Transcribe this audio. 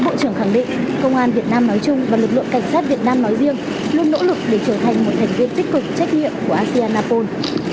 lượng cảnh sát việt nam nói riêng luôn nỗ lực để trở thành một thành viên tích cực trách nhiệm của asean napon